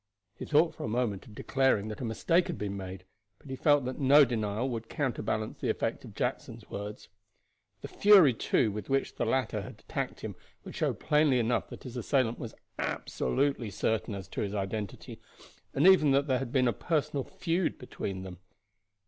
He thought for a moment of declaring that a mistake had been made, but he felt that no denial would counterbalance the effect of Jackson's words. The fury, too, with which the latter had attacked him would show plainly enough that his assailant was absolutely certain as to his identity, and even that there had been a personal feud between them.